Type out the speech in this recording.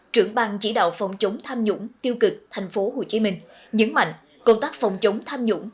trưởng bang chỉ đạo phòng chống tham nhũng tiêu cực tp hcm nhấn mạnh công tác phòng chống tham nhũng